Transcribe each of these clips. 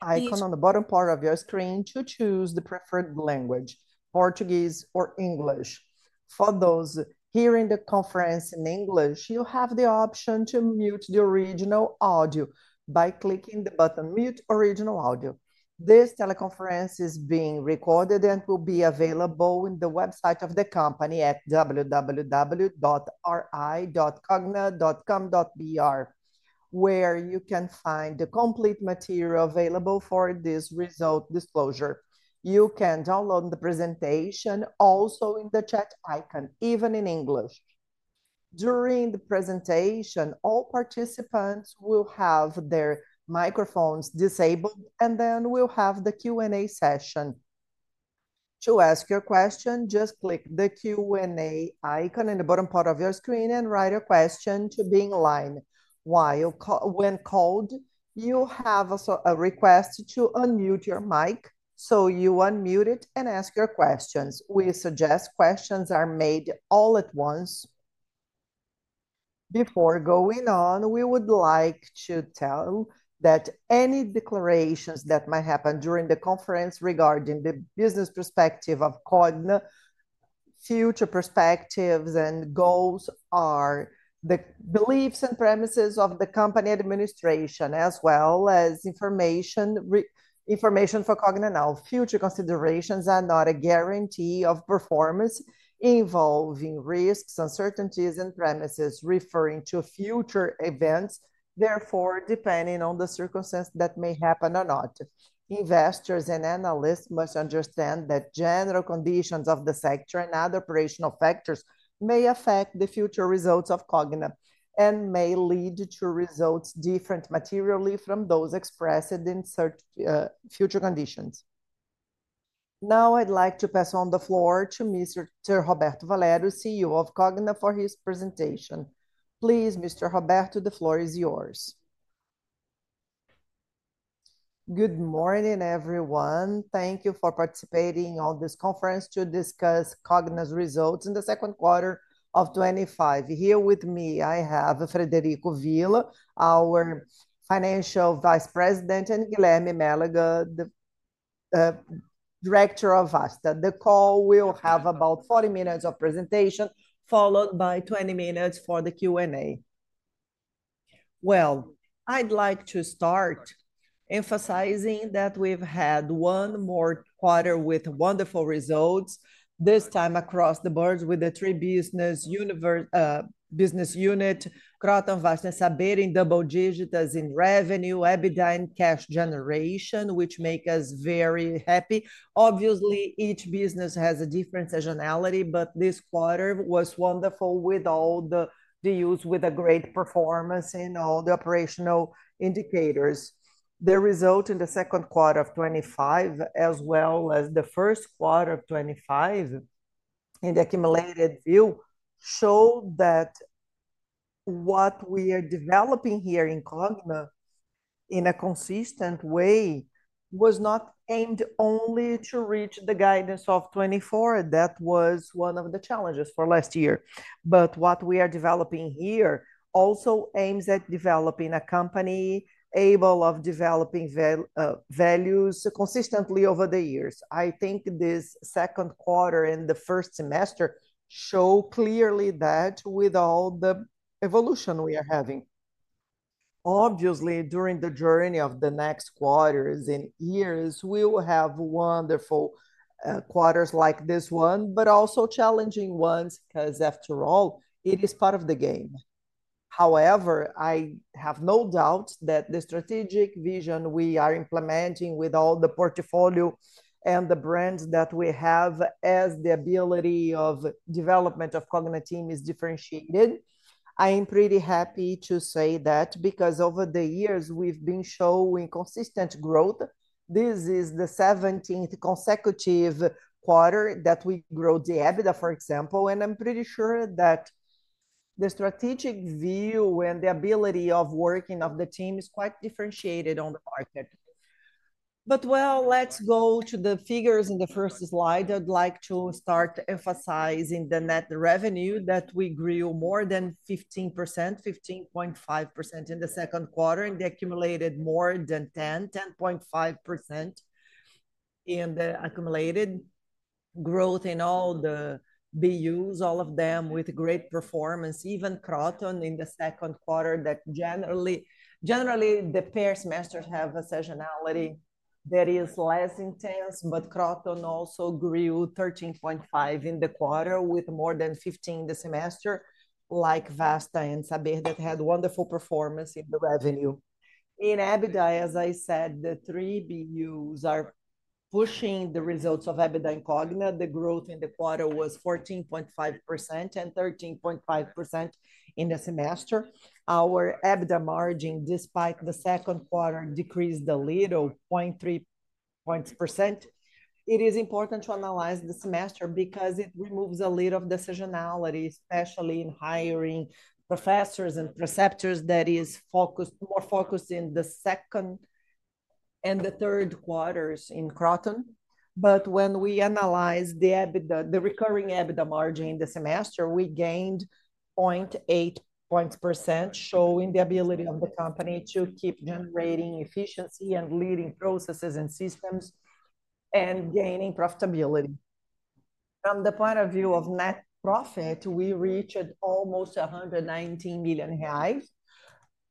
Icon on the bottom part of your screen to choose the preferred language, Portuguese or English. For those hearing the conference in English, you have the option to mute the original audio by clicking the button "Mute Original Audio." This teleconference is being recorded and will be available on the website of the company at www.ri.cogna.com.br, where you can find the complete material available for this result disclosure. You can download the presentation also in the chat icon, even in English. During the presentation, all participants will have their microphones disabled, and then we'll have the Q&A session. To ask your question, just click the Q&A icon in the bottom part of your screen and write a question to be in line. When called, you have a request to unmute your mic, so you unmute it and ask your questions. We suggest questions are made all at once. Before going on, we would like to tell that any declarations that may happen during the conference regarding the business perspective of Cogna, future perspectives and goals are the beliefs and premises of the company administration, as well as information Cogna now. Future considerations are not a guarantee of performance involving risks, uncertainties, and premises referring to future events. Therefore, depending on the circumstances that may happen or not, investors and analysts must understand that general conditions of the sector and other operational factors may affect the future results Cogna and may lead to results different materially from those expressed in certain future conditions. Now I'd like to pass on the floor to Mr. Roberto Valério, CEO of Cogna, for his presentation. Please, Mr. Roberto, the floor is yours. Good morning, everyone. Thank you for participating on this conference to discuss Cogna's Results in the Second Quarter of 2025. Here with me, I have Frederico Villa, our Financial Vice President, and Guilherme Mélaga, Director at Vasta. The call will have about 40 minutes of presentation, followed by 20 minutes for the Q&A. I'd like to start emphasizing that we've had one more quarter with wonderful results, this time across the board with the three business units: Kroton, Vasta, Saber, double digits in revenue, EBITDA and cash generation, which makes us very happy. Obviously, each business has a different seasonality, but this quarter was wonderful with all the deals, with a great performance in all the operational indicators. The result in the second quarter of 2025, as well as the first quarter of 2025 in the accumulated view, showed that what we are developing here in Cogna in a consistent way was not aimed only to reach the guidance of 2024. That was one of the challenges for last year. What we are developing here also aims at developing a company able to develop values consistently over the years. I think this second quarter and the first semester show clearly that with all the evolution we are having. Obviously, during the journey of the next quarters and years, we will have wonderful quarters like this one, but also challenging ones because, after all, it is part of the game. However, I have no doubt that the strategic vision we are implementing with all the portfolio and the brands that we have, as the ability of the development of Cogna team is differentiated. I am pretty happy to say that because over the years, we've been showing consistent growth. This is the 17th consecutive quarter that we grow the EBITDA, for example, and I'm pretty sure that the strategic view and the ability of working of the team is quite differentiated on the market. Let's go to the figures in the first slide. I'd like to start emphasizing the net revenue that we grew more than 15%, 15.5% in the second quarter, and they accumulated more than 10%, 10.5% in the accumulated growth in all the BUs, all of them with great performance, even Kroton in the second quarter. Generally, the pair semesters have a seasonality that is less intense, but Kroton also grew 13.5% in the quarter with more than 15% in the semester, like Vasta and Saber, that had wonderful performance in the revenue. In EBITDA, as I said, the three BUs are pushing the results of EBITDA in Cogna. The growth in the quarter was 14.5% and 13.5% in the semester. Our EBITDA margin, despite the second quarter, decreased a little, 0.3%. It is important to analyze the semester because it removes a little of the seasonality, especially in hiring professors and preceptors, that is more focused in the second and the third quarters in Kroton. When we analyze the EBITDA, the recurring EBITDA margin in the semester, we gained 0.8%, showing the ability of the company to keep generating efficiency and leading processes and systems and gaining profitability. From the point of view of net profit, we reached almost 119 million reais revised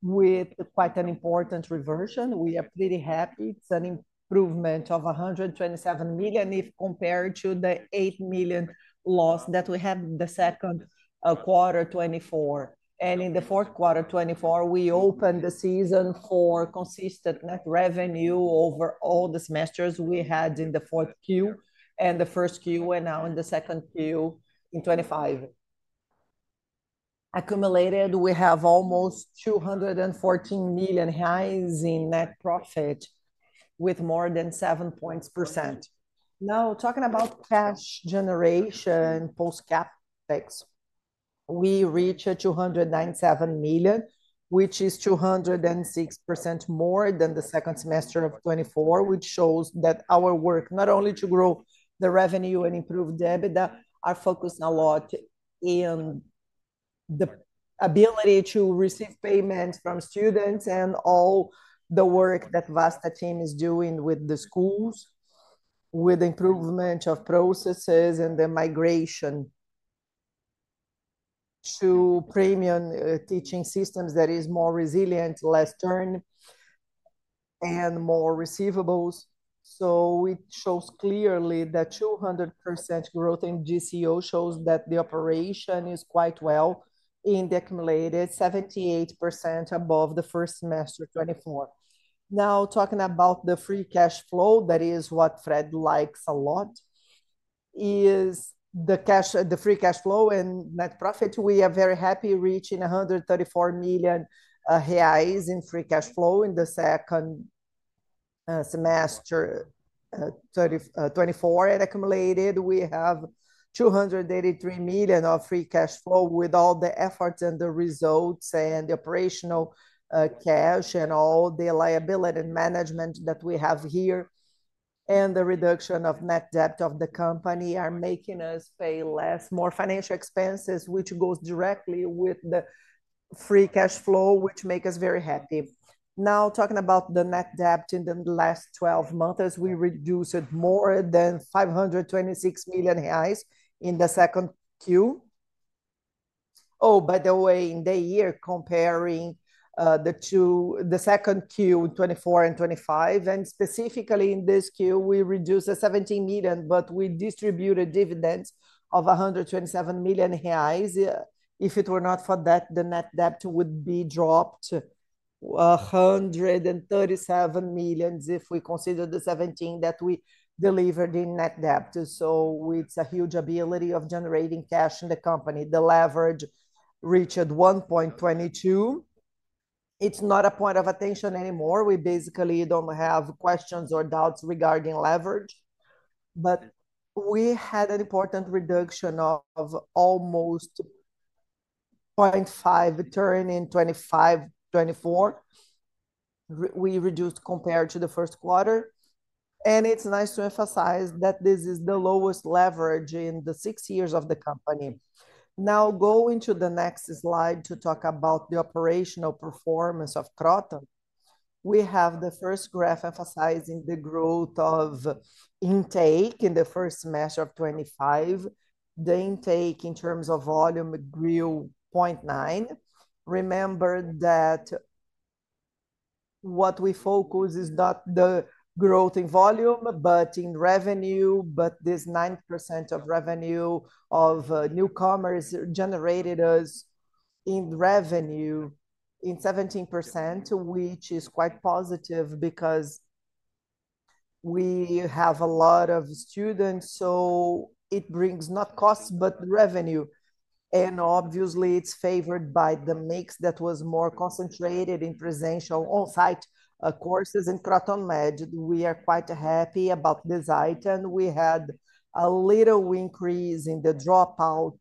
with quite an important reversion. We are pretty happy. It's an improvement of 127 million if compared to the 8 million loss that we had in the second quarter of 2024. In the fourth quarter of 2024, we opened the season for consistent net revenue over all the semesters we had in the fourth quarter and the first quarter and now in the second quarter in 2025. Accumulated, we have almost 214 million revised in net profit with more than 7%. Now, talking about cash generation post-CapEx, we reached 297 million, which is 206% more than the second semester of 2024, which shows that our work, not only to grow the revenue and improve the EBITDA, is focused a lot in the ability to receive payments from students and all the work that the Vasta team is doing with the schools, with the improvement of processes and the migration to premium teaching systems that are more resilient, less churn, and more receivables. It shows clearly that 200% growth in GCO shows that the operation is quite well in the accumulated 78% above the first semester of 2024. Now, talking about the free cash flow, that is what Fred likes a lot, is the cash, the free cash flow and net profit. We are very happy reaching 134 million reais revised in free cash flow in the second semester of 2024. Accumulated, we have 283 million of free cash flow with all the efforts and the results and the operational cash and all the liability and management that we have here. The reduction of net debt of the company is making us pay less, more financial expenses, which goes directly with the free cash flow, which makes us very happy. Now, talking about the net debt in the last 12 months, as we reduced it more than 526 million reais revised in the second quarter. By the way, in the year, comparing the two, the second quarter, 2024 and 2025, and specifically in this quarter, we reduced the 17 million, but we distributed dividends of 127 million reais revised. If it were not for that, the net debt would be dropped 137 million if we consider the 17 million that we delivered in net debt. It's a huge ability of generating cash in the company. The leverage reached 1.22x. It's not a point of attention anymore. We basically don't have questions or doubts regarding leverage. We had an important reduction of almost 0.5% return in 2025 and 2024. We reduced compared to the first quarter. It's nice to emphasize that this is the lowest leverage in the six years of the company. Now, going to the next slide to talk about the operational performance of Kroton. We have the first graph emphasizing the growth of intake in the first semester of 2025. The intake in terms of volume grew 0.9%. Remember that what we focus is not the growth in volume, but in revenue, but this 9% of revenue of newcomers generated us in revenue in 17%, which is quite positive because we have a lot of students. It brings not costs, but revenue. Obviously, it's favored by the mix that was more concentrated in presencial onsite courses in Kroton Med. We are quite happy about this item. We had a little increase in the dropout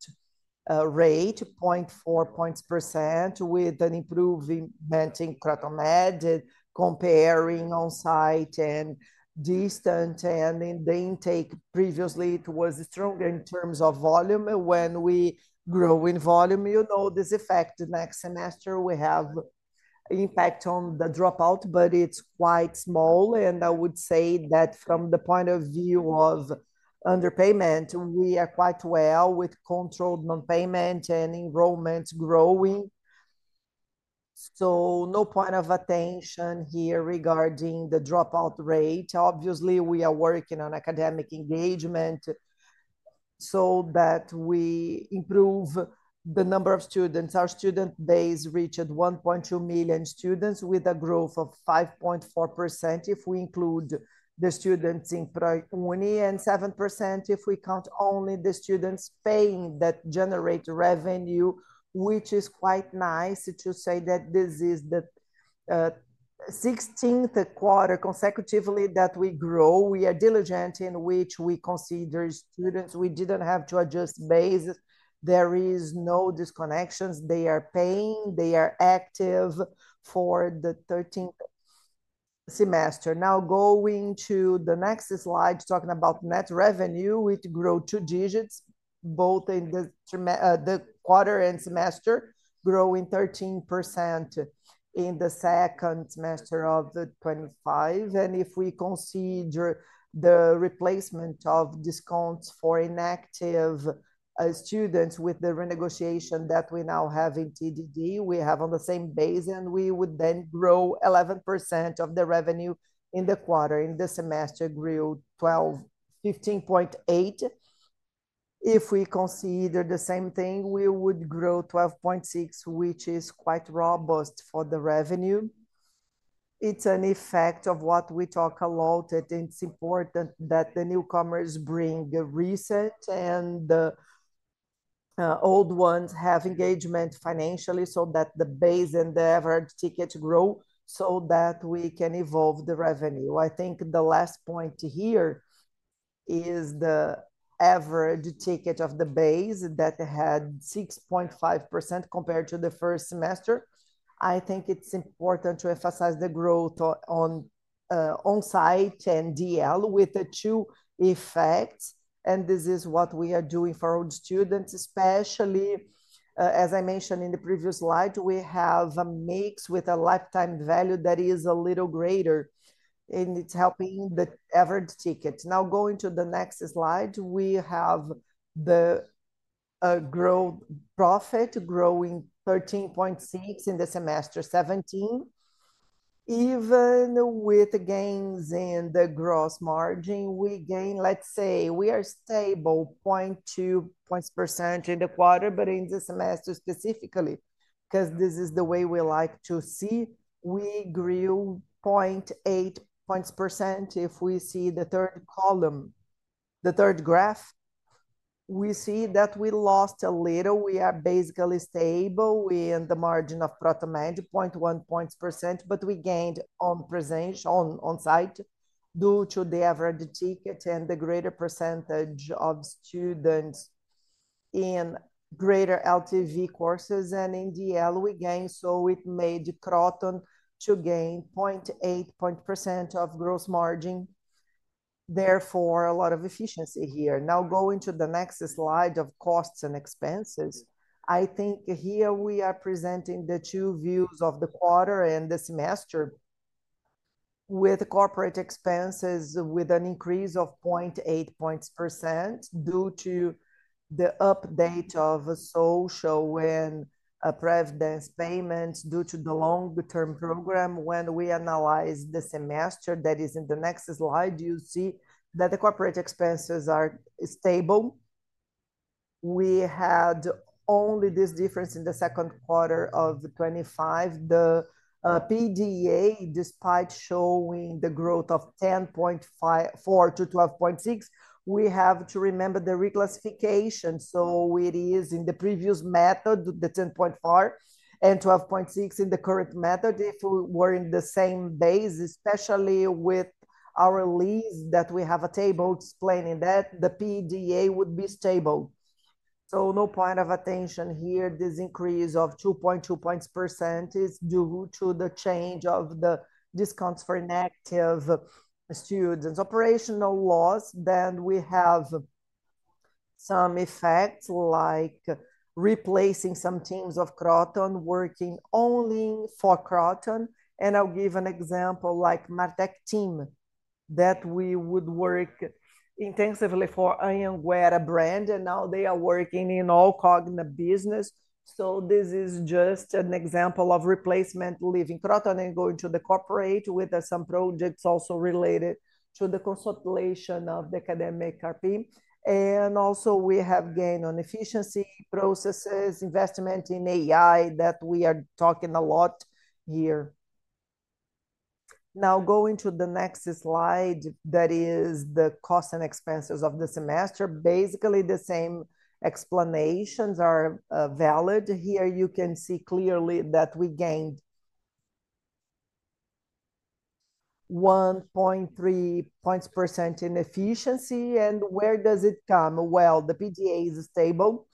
rate, 0.4%, with an improvement in Kroton Med comparing onsite and distance. In the intake, previously, it was stronger in terms of volume. When we grow in volume, you know this effect next semester. We have an impact on the dropout, but it's quite small. I would say that from the point of view of underpayment, we are quite well with controlled non-payment and enrollments growing. No point of attention here regarding the dropout rate. Obviously, we are working on academic engagement so that we improve the number of students. Our student base reached 1.2 million students with a growth of 5.4% if we include the students in pre-university preparatory courses and 7% if we count only the students paying that generate revenue, which is quite nice to say that this is the 16th quarter consecutively that we grow. We are diligent in which we consider students. We didn't have to adjust base. There are no disconnections. They are paying. They are active for the 13th semester. Now, going to the next slide, talking about net revenue, we grow two digits both in the quarter and semester, growing 13% in the second semester of 2025. If we consider the replacement of discounts for inactive students with the renegotiation that we now have in TDD, we have on the same base, and we would then grow 11% of the revenue in the quarter. In the semester, grew 15.8%. If we consider the same thing, we would grow 12.6%, which is quite robust for the revenue. It's an effect of what we talk a lot, and it's important that the newcomers bring a reset and the old ones have engagement financially so that the base and the average tickets grow so that we can evolve the revenue. I think the last point here is the average ticket of the base that had 6.5% compared to the first semester. I think it's important to emphasize the growth onsite and distance learning with the two effects. This is what we are doing for our students, especially, as I mentioned in the previous slide, we have a mix with a lifetime value that is a little greater, and it's helping the average ticket. Now, going to the next slide, we have the gross profit growing 13.6% in the semester 2017. Even with gains in the gross margin, we gain, let's say, we are stable 0.2% in the quarter, but in this semester specifically, because this is the way we like to see, we grew 0.8%. If we see the third column, the third graph, we see that we lost a little. We are basically stable in the margin of Kroton Med, 0.1%, but we gained on presencial onsite due to the average ticket and the greater percentage of students in greater LTV courses. In DL, we gain, so it made Kroton gain 0.8% of gross margin. Therefore, a lot of efficiency here. Now, going to the next slide of costs and expenses, I think here we are presenting the two views of the quarter and the semester with corporate expenses with an increase of 0.8% due to the update of social and precedence payments due to the long-term program. When we analyze the semester that is in the next slide, you see that the corporate expenses are stable. We had only this difference in the second quarter of 2025. The PDA, despite showing the growth of 10.4%-12.6%, we have to remember the reclassification. It is in the previous method, the 10.4% and 12.6% in the current method. If we were in the same base, especially with our lease that we have a table explaining that, the PDA would be stable. No point of attention here. This increase of 2.2% is due to the change of the discounts for inactive students. Operational loss, then we have some effects like replacing some teams of Kroton working only for Kroton. I'll give an example like Martech team that would work intensively for Ironwear brand, and now they are working in all Cogna business. This is just an example of replacement leaving Kroton and going to the corporate with some projects also related to the consolidation of the academic RP. Also, we have gained on efficiency processes, investment in AI that we are talking a lot here. Now, going to the next slide, that is the cost and expenses of the semester. Basically, the same explanations are valid. Here, you can see clearly that we gained 1.3% in efficiency. Where does it come? The PDA is stable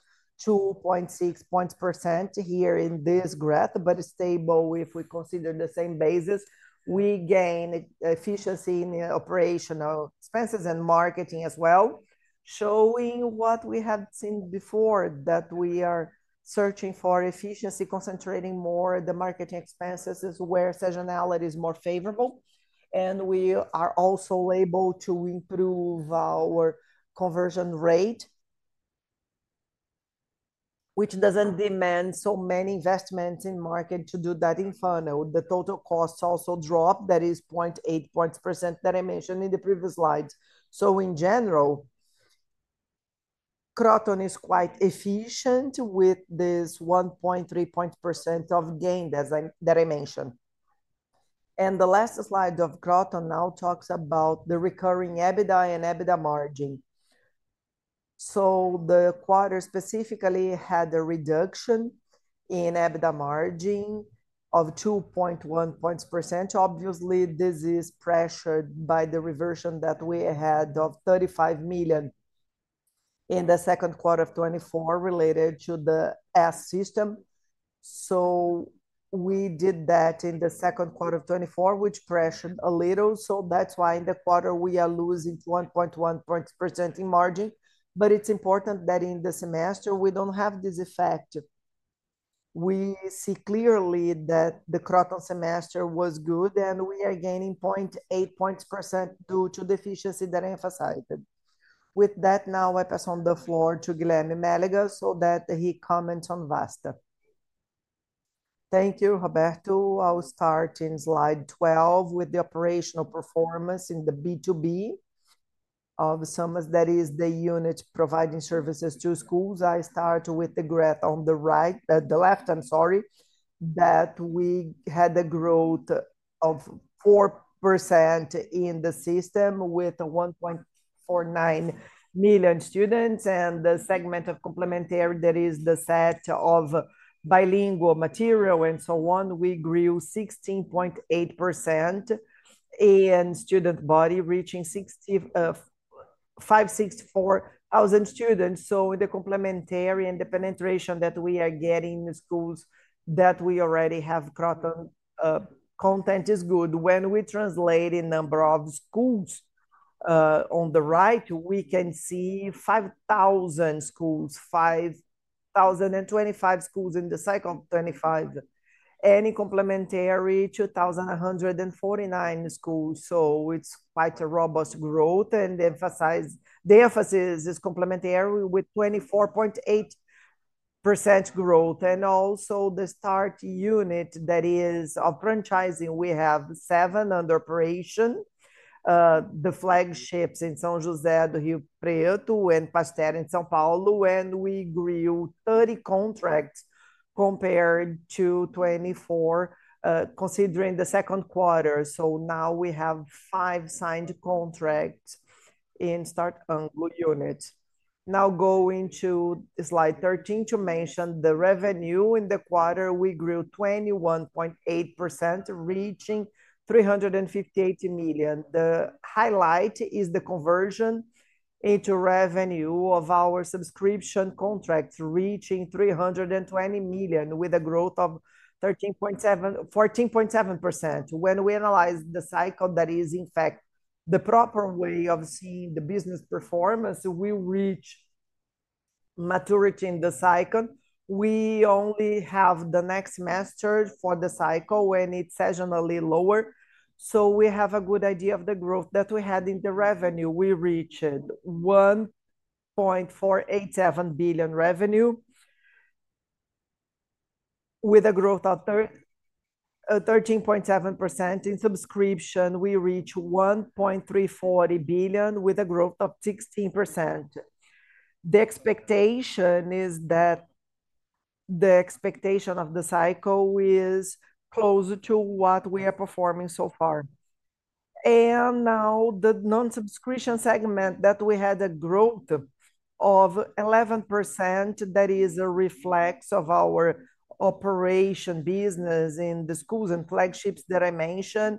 2.6% here in this graph, but stable if we consider the same basis. We gain efficiency in operational expenses and marketing as well, showing what we have seen before that we are searching for efficiency, concentrating more on the marketing expenses is where seasonality is more favorable. We are also able to improve our conversion rate, which doesn't demand so many investments in market to do that in funnel. The total cost also dropped. That is 0.8% that I mentioned in the previous slides. In general, Kroton is quite efficient with this 1.3% of gain that I mentioned. The last slide of Kroton now talks about the recurring EBITDA and EBITDA margin. The quarter specifically had a reduction in EBITDA margin of 2.1%. Obviously, this is pressured by the reversion that we had of 35 million in the second quarter of 2024 related to the S system. We did that in the second quarter of 2024, which pressured a little. That's why in the quarter we are losing 1.1% in margin. It's important that in the semester we don't have this effect. We see clearly that the Kroton semester was good, and we are gaining 0.8% due to the efficiency that I emphasized. With that, now I pass on the floor to Guilherme Mélaga so that he comments on Vasta. Thank you, Roberto. I'll start in slide 12 with the operational performance in the B2B of the summer. That is the unit providing services to schools. I start with the graph on the left, that we had a growth of 4% in the system with 1.49 million students. The segment of complementary, that is the set of bilingual material and so on, we grew 16.8% in student body, reaching 564,000 students. In the complementary and the penetration that we are getting in schools that we already have, Kroton content is good. When we translate in the number of schools, on the right, we can see 5,000 schools, 5,025 schools in the second 2025, and in complementary, 2,149 schools. It's quite a robust growth, and the emphasis is complementary with 24.8% growth. Also the start unit, that is of franchising, we have seven under operation. The flagships in San Jose, the Rio Preto, and Pasteur in São Paulo. We grew 30 contracts compared to 2024, considering the second quarter. Now we have five signed contracts in start units. Now going to slide 13 to mention the revenue in the quarter, we grew 21.8%, reaching 358 million. The highlight is the conversion into revenue of our subscription contracts, reaching 320 million, with a growth of 14.7%. When we analyze the cycle, that is, in fact, the proper way of seeing the business performance, we reach maturity in the cycle. We only have the next semester for the cycle when it's seasonally lower. We have a good idea of the growth that we had in the revenue. We reached 1.487 billion revenue with a growth of 13.7%. In subscription, we reached 1.340 billion with a growth of 16%. The expectation is that the expectation of the cycle is closer to what we are performing so far. Now the non-subscription segment that we had a growth of 11%, that is a reflex of our operation business in the schools and flagships that I mentioned.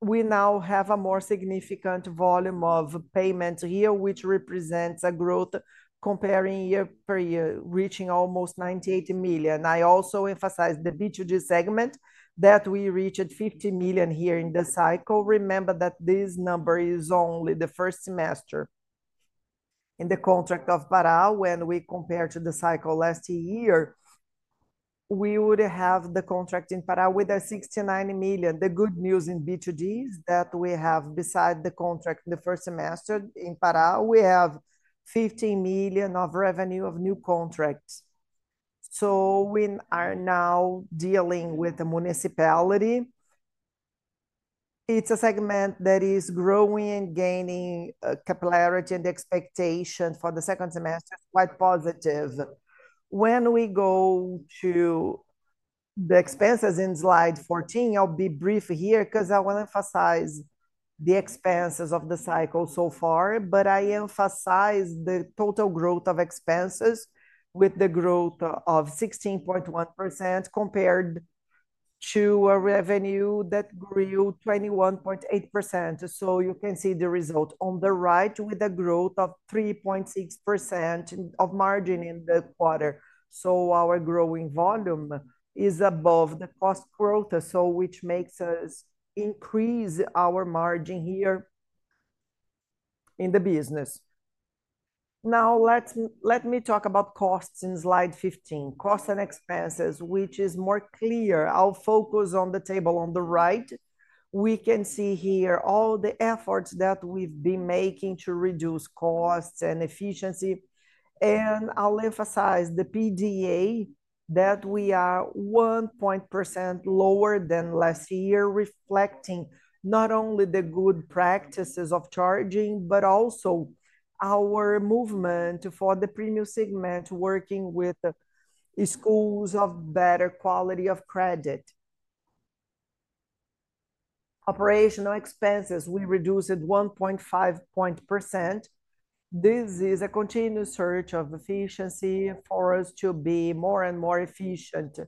We now have a more significant volume of payments here, which represents a growth comparing year over year, reaching almost 98 million. I also emphasize the B2G segment that we reached 50 million here in the cycle. Remember that this number is only the first semester. In the contract of Pará, when we compare to the cycle last year, we would have the contract in Pará with 69 million. The good news in B2G is that we have, beside the contract in the first semester in Pará, 15 million of revenue of new contracts. We are now dealing with a municipality. It's a segment that is growing and gaining capillarity and expectation for the second semester, quite positive. When we go to the expenses in slide 14, I'll be brief here because I want to emphasize the expenses of the cycle so far. I emphasize the total growth of expenses with the growth of 16.1% compared to a revenue that grew 21.8%. You can see the result on the right with a growth of 3.6% of margin in the quarter. Our growing volume is above the cost growth, which makes us increase our margin here in the business. Now, let me talk about costs in slide 15, costs and expenses, which is more clear. I'll focus on the table on the right. We can see here all the efforts that we've been making to reduce costs and efficiency. I'll emphasize the PDA that we are 1% lower than last year, reflecting not only the good practices of charging, but also our movement for the premium segment, working with schools of better quality of credit. Operational expenses, we reduced at 1.5%. This is a continuous search of efficiency for us to be more and more efficient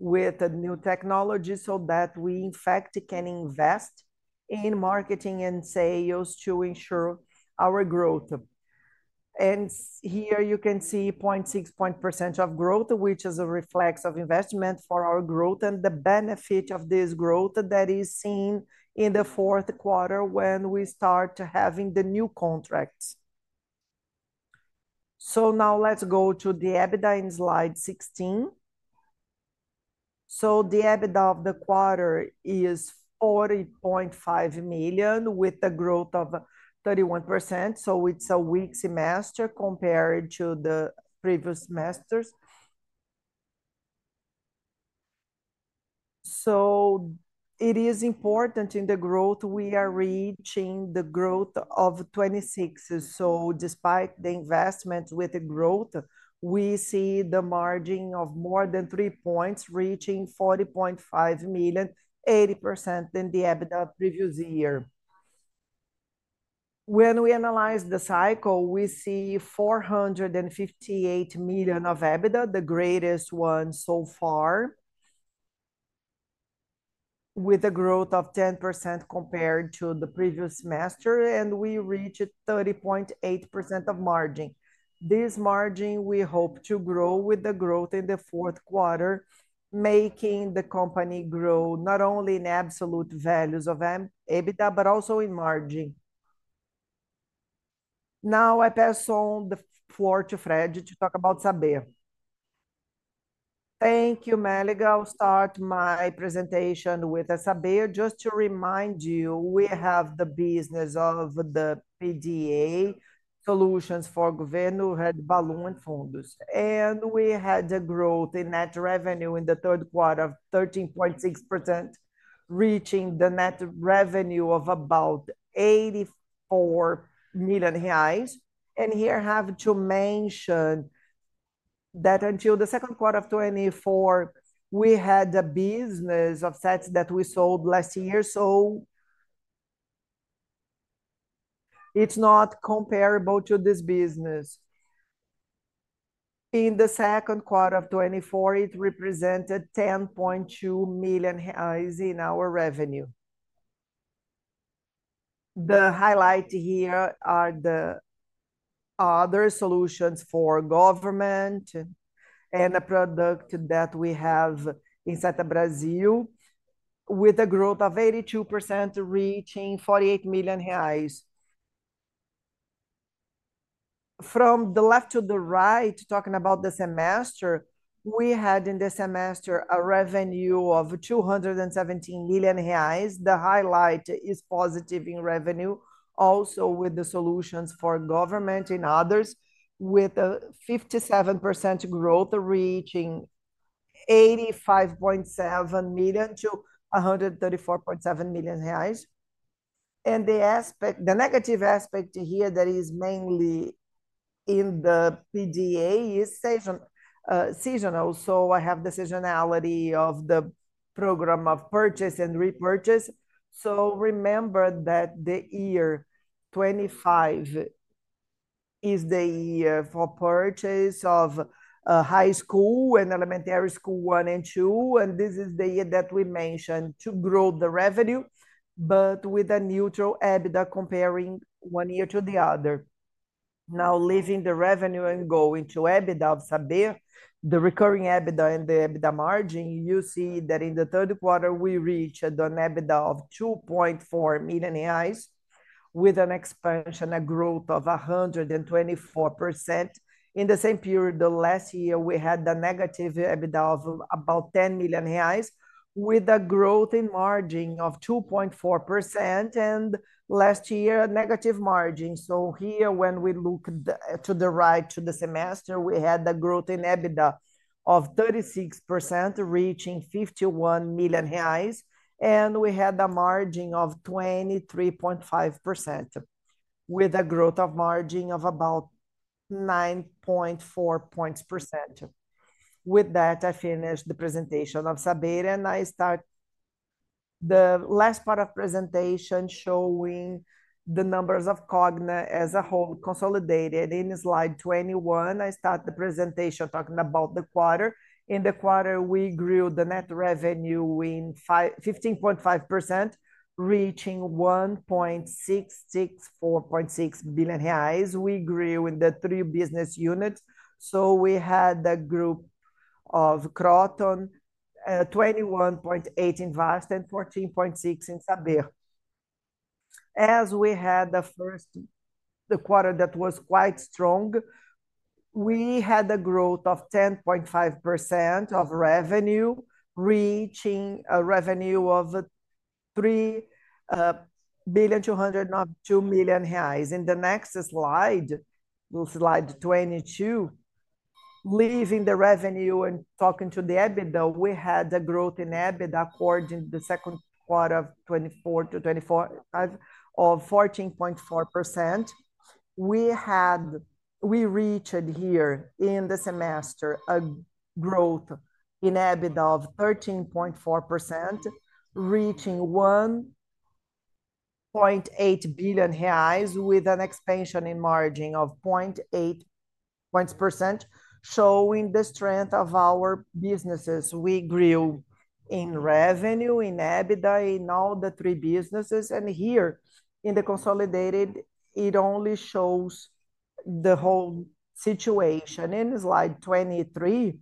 with new technology so that we, in fact, can invest in marketing and sales to ensure our growth. Here you can see 0.6% of growth, which is a reflex of investment for our growth and the benefit of this growth that is seen in the fourth quarter when we start having the new contracts. Let's go to the EBITDA in slide 16. The EBITDA of the quarter is 40.5 million with a growth of 31%. It's a weak semester compared to the previous semesters. It is important in the growth we are reaching the growth of 26%. Despite the investments with the growth, we see the margin of more than three points, reaching 40.5 million, 80% in the EBITDA previous year. When we analyze the cycle, we see 458 million of EBITDA, the greatest one so far, with a growth of 10% compared to the previous semester. We reached 30.8% of margin. This margin we hope to grow with the growth in the fourth quarter, making the company grow not only in absolute values of EBITDA, but also in margin. Now I pass on the floor to Fred to talk about Saber. Thank you, Mélaga. I'll start my presentation with Saber. Just to remind you, we have the business of the PDA Solutions for Governo Red Baloon Fundos. We had a growth in net revenue in the third quarter of 13.6%, reaching the net revenue of about 84 million reais. I have to mention that until the second quarter of 2024, we had a business of sets that we sold last year. It's not comparable to this business. In the second quarter of 2024, it represented 10.2 million in our revenue. The highlight here are the other solutions for government and a product that we have in Acerta Brasil, with a growth of 82%, reaching BRL 48 million. From the left to the right, talking about the semester, we had in the semester a revenue of 217 million reais. The highlight is positive in revenue, also with the solutions for government and others, with a 57% growth, reaching 85.7 million-134.7 million reais. The negative aspect here that is mainly in the PDA is seasonal. I have the seasonality of the program of purchase and repurchase. Remember that the year 2025 is the year for purchase of high school and elementary school one and two. This is the year that we mentioned to grow the revenue, but with a neutral EBITDA comparing one year to the other. Now, leaving the revenue and going to EBITDA of Saber, the recurring EBITDA and the EBITDA margin, you see that in the third quarter we reached an EBITDA of 2.4 million reais, with an expansion and growth of 124%. In the same period, the last year we had a negative EBITDA of about 10 million reais, with a growth in margin of 2.4%. Last year, a negative margin. Here, when we look to the right to the semester, we had a growth in EBITDA of 36%, reaching 51 million reais, and we had a margin of 23.5%, with a growth of margin of about 9.4%. With that, I finish the presentation of Saber, and I start the last part of the presentation showing the numbers of Cogna as a whole consolidated. In slide 21, I start the presentation talking about the quarter. In the quarter, we grew the net revenue in 15.5%, reaching BRL 1.6646 billion. We grew in the three business units. We had the group of Kroton, 21.8% in Vasta, and 14.6% in Saber. As we had the first quarter that was quite strong, we had a growth of 10.5% of revenue, reaching a revenue of 3.202 billion. In the next slide, slide 22, leaving the revenue and talking to the EBITDA, we had a growth in EBITDA according to the second quarter of 2024-2025 of 14.4%. We reached here in the semester a growth in EBITDA of 13.4%, reaching 1.8 billion reais, with an expansion in margin of 0.8%, showing the strength of our businesses. We grew in revenue, in EBITDA, in all the three businesses. Here in the consolidated, it only shows the whole situation. In slide 23,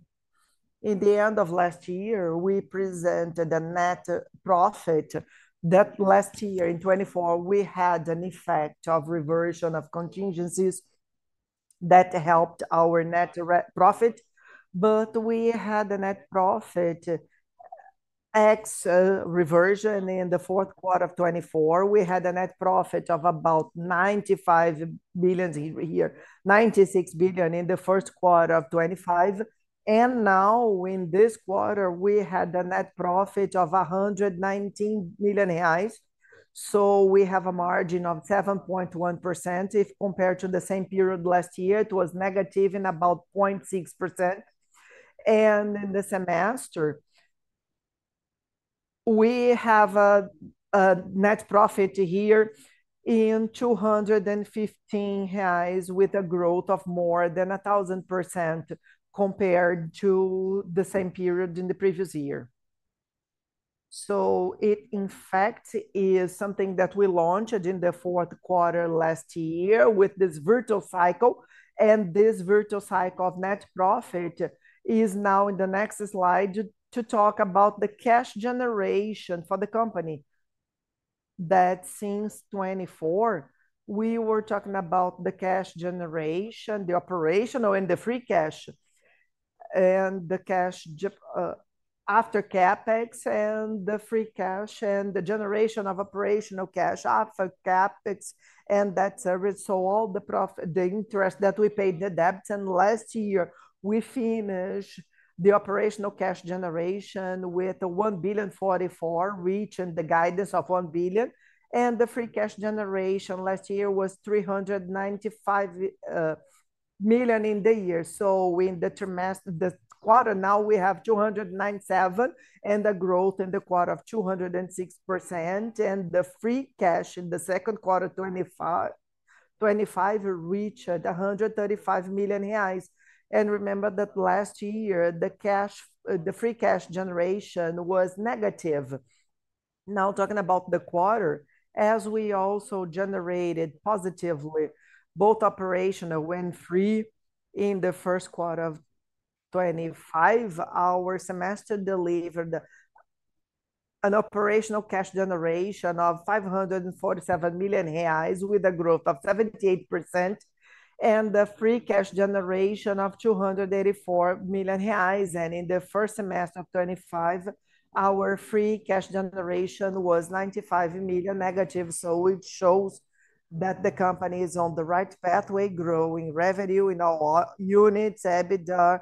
in the end of last year, we presented a net profit that last year in 2024, we had an effect of reversion of contingencies that helped our net profit. We had a net profit x reversion in the fourth quarter of 2024. We had a net profit of about 95 million here, 96 million in the first quarter of 2025. Now in this quarter, we had a net profit of 119 million reais. We have a margin of 7.1%. If compared to the same period last year, it was negative in about 0.6%. In the semester, we have a net profit here in 215 million reais, with a growth of more than 1,000% compared to the same period in the previous year. It, in fact, is something that we launched in the fourth quarter last year with this virtual cycle. This virtual cycle of net profit is now in the next slide to talk about the cash generation for the company. Since 2024, we were talking about the cash generation, the operational and the free cash, and the cash after CapEx, and the free cash, and the generation of operational cash after CapEx, and that service. All the profit, the interest that we paid the debts. Last year, we finished the operational cash generation with 1.044 billion, reaching the guidance of 1 billion. The free cash generation last year was 395 million in the year. In the quarter, we have 297 million and a growth in the quarter of 206%. The free cash in the second quarter of 2025 reached 135 million reais. Remember that last year, the free cash generation was negative. Now talking about the quarter, as we also generated positively, both operational and free in the first quarter of 2025, our semester delivered an operational cash generation of 547 million reais with a growth of 78% and a free cash generation of 284 million reais. In the first semester of 2025, our free cash generation was 95 million negative. It shows that the company is on the right pathway, growing revenue in all units, EBITDA.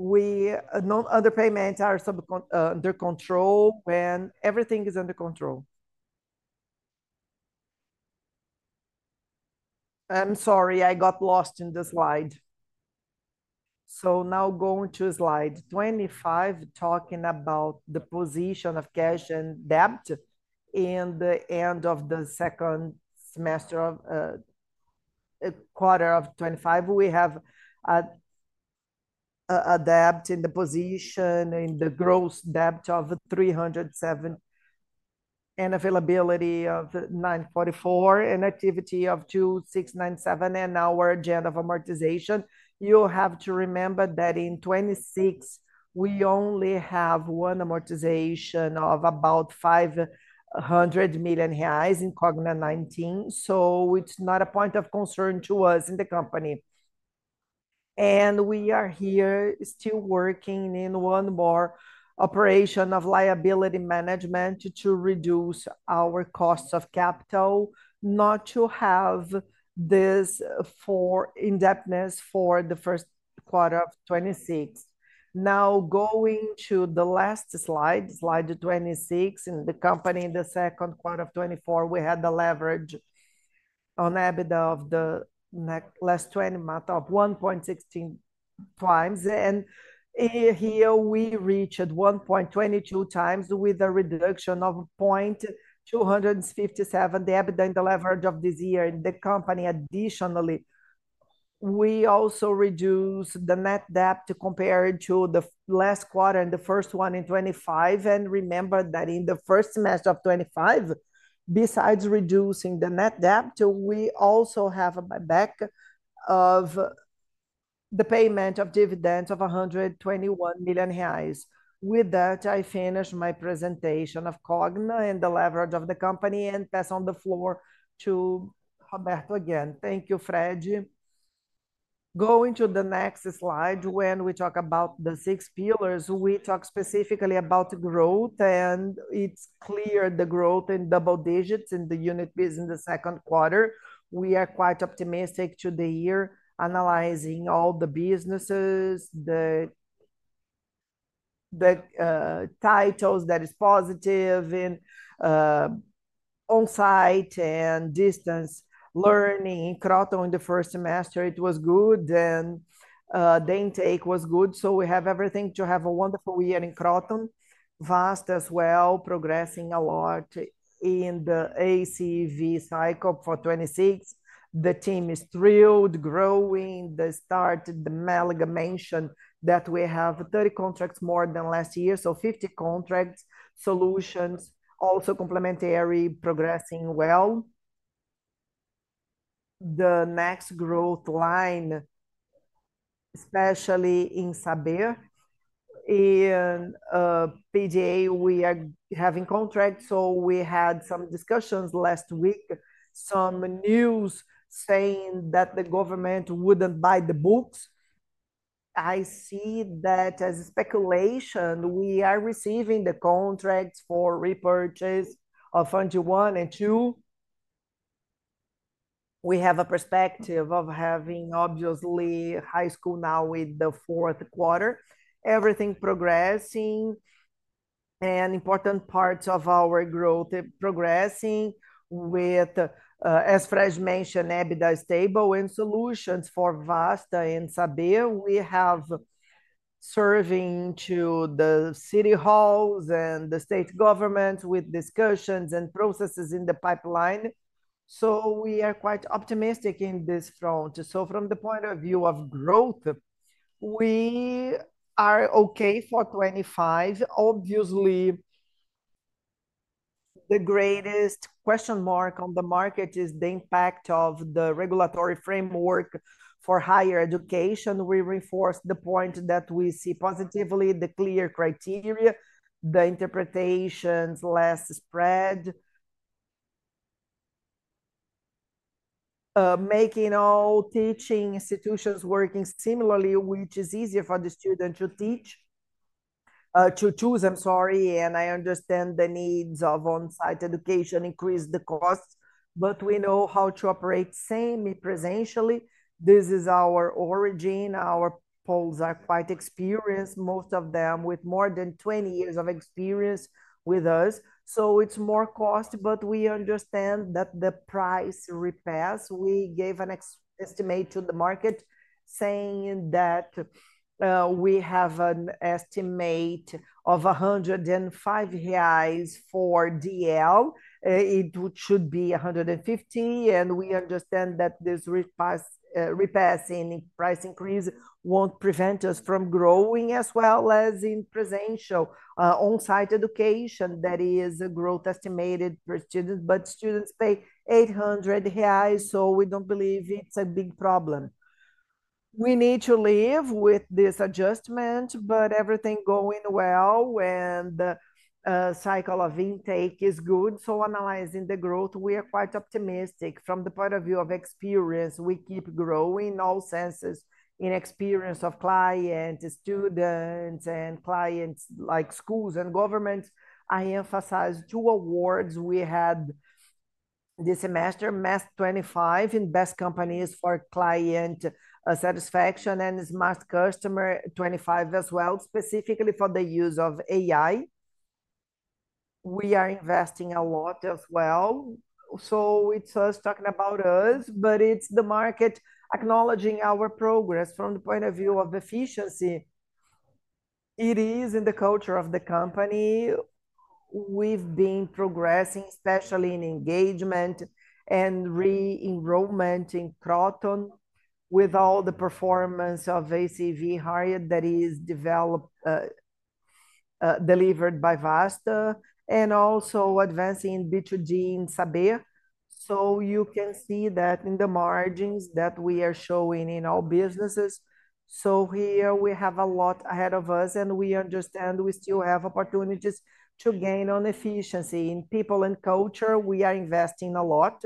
No underpayments are under control when everything is under control. I'm sorry, I got lost in the slide. Now going to slide 25, talking about the position of cash and debt at the end of the second semester of the quarter of 2025. We have a position in the gross debt of 307 million and availability of 944 million and activity of 2.697 billion. Our agenda of amortization, you have to remember that in 2026, we only have one amortization of about 500 million reais in Cogna 2019. It's not a point of concern to us in the company. We are here still working in one more operation of liability management to reduce our costs of capital, not to have this indebtedness for the first quarter of 2026. Now going to the last slide, slide 26, in the company in the second quarter of 2024, we had the leverage on EBITDA of the last 20 months of 1.16 times. Here we reached 1.22x with a reduction of 0.257x in the EBITDA and the leverage of this year in the company. Additionally, we also reduced the net debt compared to the last quarter and the first one in 2025. Remember that in the first semester of 2025, besides reducing the net debt, we also have a back of the payment of dividends of 121 million reais. With that, I finish my presentation of Cogna and the leverage of the company and pass on the floor to Roberto again. Thank you, Fred. Going to the next slide, when we talk about the six pillars, we talk specifically about growth. It's clear the growth in double digits in the unit business in the second quarter. We are quite optimistic to the year, analyzing all the businesses, the titles that are positive in onsite and distance learning. Kroton in the first semester, it was good, and the intake was good. We have everything to have a wonderful year in Kroton. Vasta as well, progressing a lot in the ACV cycle for 2026. The team is thrilled, growing. The start, the Mélaga mentioned that we have 30 contracts more than last year, so 50 contracts. Solutions also complementary, progressing well. The next growth line, especially in Saber and PDA, we are having contracts. We had some discussions last week, some news saying that the government wouldn't buy the books. I see that as speculation. We are receiving the contracts for repurchase of 2021 and 2022. We have a perspective of having obviously high school now with the fourth quarter. Everything progressing, and important parts of our growth progressing with, as Fred mentioned, EBITDA is stable and solutions for Vasta and Saber. We have serving to the city halls and the state government with discussions and processes in the pipeline. We are quite optimistic in this front. From the point of view of growth, we are okay for 2025. Obviously, the greatest question mark on the market is the impact of the regulatory framework for higher education. We reinforce the point that we see positively the clear criteria, the interpretations less spread, making all teaching institutions working similarly, which is easier for the student to choose, I'm sorry. I understand the needs of onsite education increase the costs, but we know how to operate semi-presential. This is our origin. Our polls are quite experienced, most of them with more than 20 years of experience with us. It's more cost, but we understand that the price repass. We gave an estimate to the market saying that we have an estimate of 105 reais for DL. It should be 150. We understand that this repassing price increase won't prevent us from growing as well as in presencial onsite education. That is a growth estimated per student, but students pay 800 reais, so we don't believe it's a big problem. We need to live with this adjustment, but everything going well when the cycle of intake is good. Analyzing the growth, we are quite optimistic. From the point of view of experience, we keep growing in all senses in experience of clients, students, and clients like schools and governments. I emphasize two awards we had this semester, [Mass 25] in best companies for client satisfaction and [Mass customer 25] as well, specifically for the use of AI. We are investing a lot as well. It's us talking about us, but it's the market acknowledging our progress from the point of view of efficiency. It is in the culture of the company. We've been progressing, especially in engagement and re-enrollment in Kroton with all the performance of ACV higher that is developed and delivered by Vasta and also advancing in B2G in Saber. You can see that in the margins that we are showing in our businesses. We have a lot ahead of us, and we understand we still have opportunities to gain on efficiency in people and culture. We are investing a lot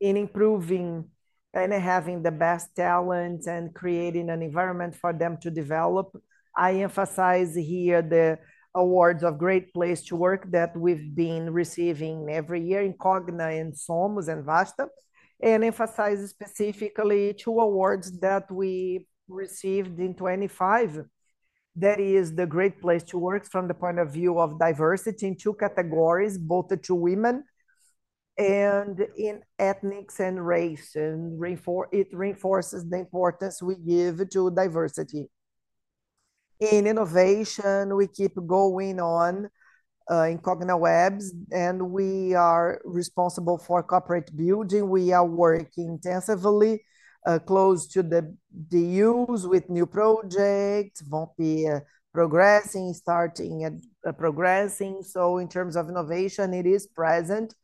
in improving and having the best talents and creating an environment for them to develop. I emphasize here the awards of Great Place to Work that we've been receiving every year in Cogna and Somos and Vasta and emphasize specifically two awards that we received in 2025. That is the Great Place to Work from the point of view of diversity in two categories, both to women and in ethnics and race. It reinforces the importance we give to diversity. In innovation, we keep going on in Cogna Webs, and we are responsible for corporate building. We are working intensively close to the DUs with new projects, progressing, starting and progressing. In terms of innovation, it is present.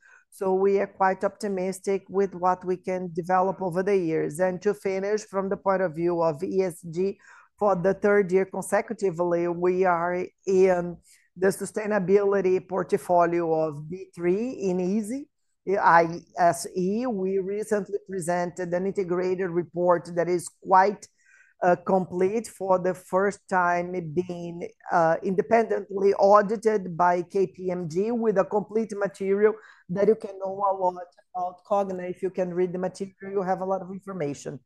We are quite optimistic with what we can develop over the years. To finish, from the point of view of ESG, for the third year consecutively, we are in the sustainability portfolio of B3 in ISE. We recently presented an integrated report that is quite complete for the first time being independently audited by KPMG with a complete material that you can know a lot about Cogna. If you can read the material, you have a lot of information.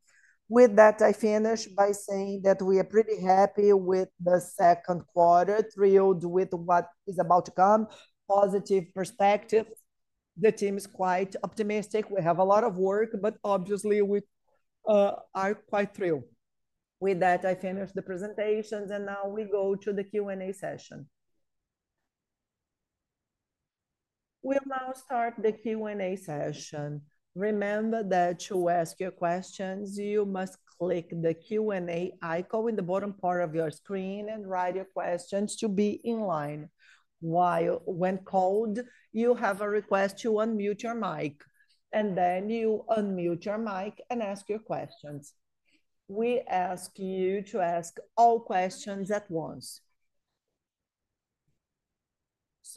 With that, I finish by saying that we are pretty happy with the second quarter, thrilled with what is about to come, positive perspective. The team is quite optimistic. We have a lot of work, but obviously, we are quite thrilled. With that, I finish the presentations, and now we go to the Q&A session. We'll now start the Q&A session. Remember that to ask your questions, you must click the Q&A icon in the bottom part of your screen and write your questions to be in line. When called, you have a request to unmute your mic, and then you unmute your mic and ask your questions. We ask you to ask all questions at once.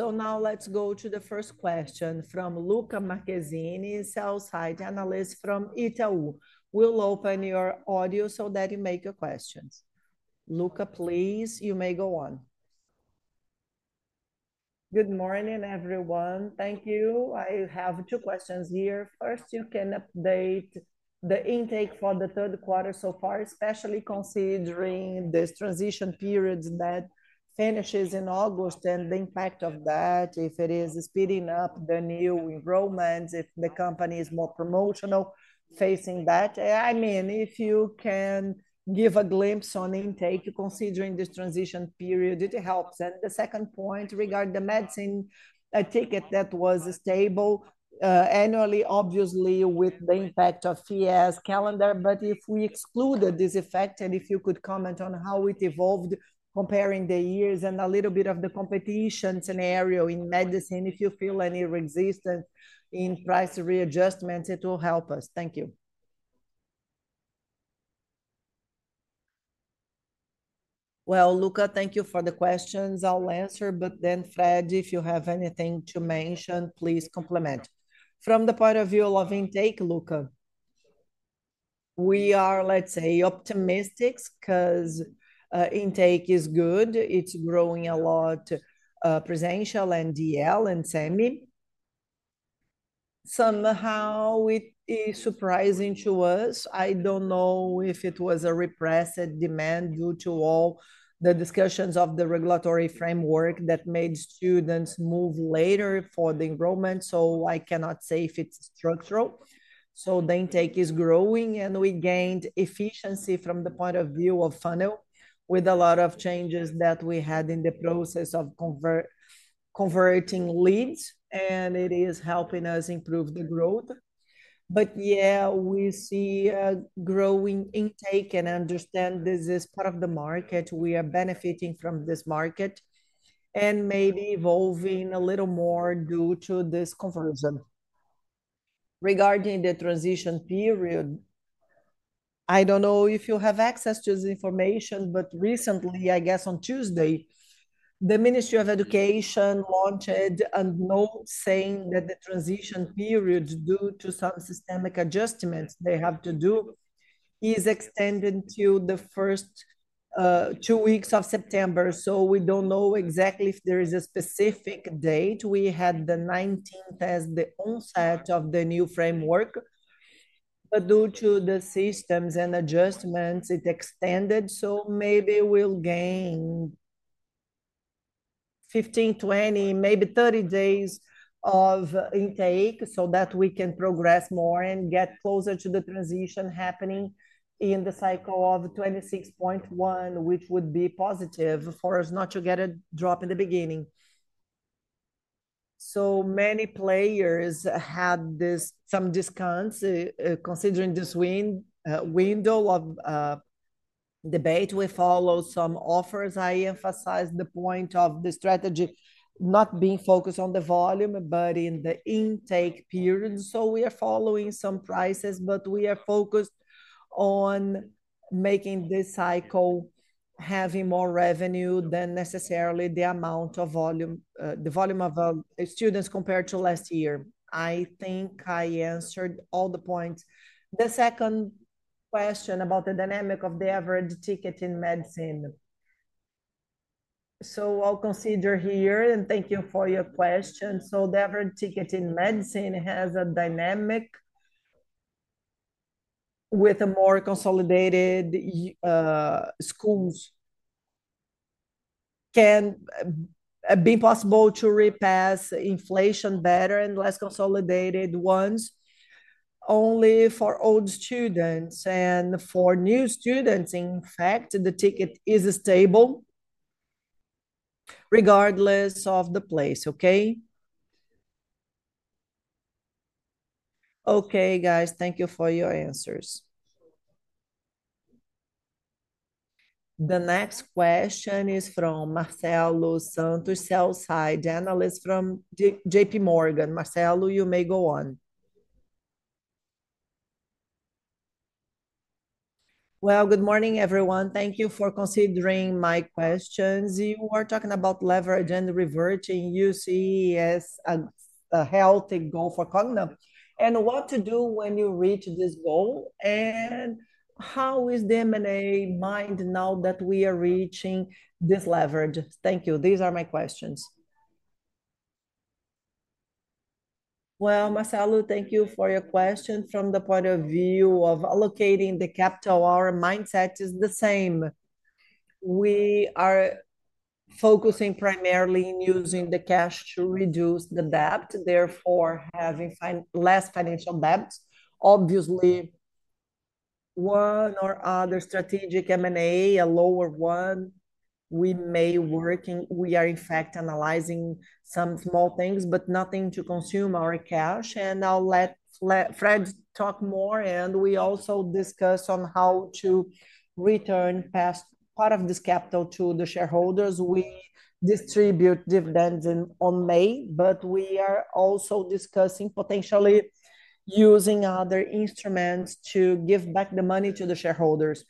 Now let's go to the first question from [Luca Marchesini], Sell-side Analyst from Itaú. We'll open your audio so that you make your questions. Luca, please, you may go on. Good morning, everyone. Thank you. I have two questions here. First, you can update the intake for the third quarter so far, especially considering this transition period that finishes in August and the impact of that. If it is speeding up the new enrollments, if the company is more promotional facing that, I mean, if you can give a glimpse on intake considering this transition period, it helps. The second point regarding the medicine ticket that was stable annually, obviously, with the impact of [Fies] calendar. If we excluded this effect, and if you could comment on how it evolved comparing the years and a little bit of the competition scenario in medicine, if you feel any resistance in price readjustments, it will help us. Thank you. Luca, thank you for the questions. I'll answer, but then, Fred, if you have anything to mention, please complement. From the point of view of intake, Luca, we are, let's say, optimistic because intake is good. It's growing a lot, presential and DL and semi. Somehow, it is surprising to us. I don't know if it was a repressed demand due to all the discussions of the regulatory framework that made students move later for the enrollment. I cannot say if it's structural. The intake is growing, and we gained efficiency from the point of view of funnel with a lot of changes that we had in the process of converting leads, and it is helping us improve the growth. We see a growing intake and understand this is part of the market. We are benefiting from this market and maybe evolving a little more due to this conversion. Regarding the transition period, I don't know if you have access to this information, but recently, I guess on Tuesday, the Ministry of Education launched a note saying that the transition period, due to some systemic adjustments they have to do, is extended to the first two weeks of September. We don't know exactly if there is a specific date. We had the 19th as the onset of the new framework, but due to the systems and adjustments, it extended. Maybe we'll gain 15 days, 20 days, maybe 30 days of intake so that we can progress more and get closer to the transition happening in the cycle of 26.1, which would be positive for us not to get a drop in the beginning. Many players had some discounts considering this window of debate. We followed some offers. I emphasize the point of the strategy not being focused on the volume, but in the intake period. We are following some prices, but we are focused on making this cycle have more revenue than necessarily the amount of volume, the volume of students compared to last year. I think I answered all the points. The second question about the dynamic of the average ticket in medicine. I'll consider here, and thank you for your question. The average ticket in medicine has a dynamic with more consolidated schools. It can be possible to repass inflation better and less consolidated ones only for old students and for new students. In fact, the ticket is stable regardless of the place. Thank you for your answers. The next question is from Marcelo Santos, Sell-side Analyst from JPMorgan. Marcelo, you may go on. Good morning, everyone. Thank you for considering my questions. You are talking about leverage and reverting UCES as a healthy goal Cogna and what to do when you reach this goal and how is the M&A mind now that we are reaching this leverage. Thank you. These are my questions. Marcelo, thank you for your question. From the point of view of allocating the capital, our mindset is the same. We are focusing primarily on using the cash to reduce the debt, therefore having less financial debt. Obviously, one or other strategic M&A, a lower one, we may work. We are, in fact, analyzing some small things, nothing to consume our cash. I'll let Fred talk more. We also discuss how to return part of this capital to the shareholders. We distributed dividends in May, but we are also discussing potentially using other instruments to give back the money to the shareholders.